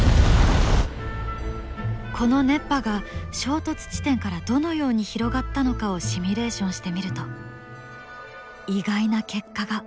この熱波が衝突地点からどのように広がったのかをシミュレーションしてみると意外な結果が。